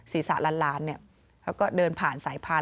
ศีรษะล้านเนี่ยเขาก็เดินผ่านสายพาน